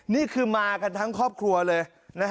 นี่คือมากันทั้งครอบครัวเลย